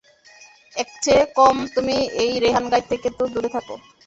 একছে কম তুমি এই রেহান গাইড থেকে তো দূরে থাকো।